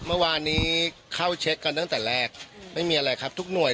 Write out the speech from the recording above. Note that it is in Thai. เมื่อวานนี้เข้าเช็คกันตั้งแต่แรกไม่มีอะไรครับทุกหน่วย